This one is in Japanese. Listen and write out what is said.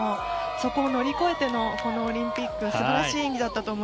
そこを乗り越えてのこのオリンピックすばらしい演技でした。